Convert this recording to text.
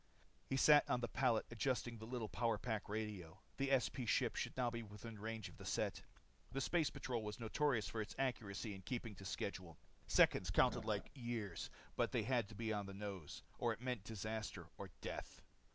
He sat on the pallet adjusting the little power pack radio. The SP ship should now be within range of the set. The space patrol was notorious for its accuracy in keeping to schedule. Seconds counted like years. They had to be on the nose, or it meant disaster or death.